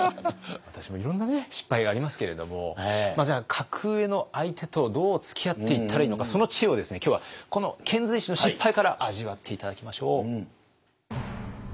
私もいろんな失敗がありますけれどもじゃあ格上の相手とどうつきあっていったらいいのかその知恵を今日はこの遣隋使の失敗から味わって頂きましょう。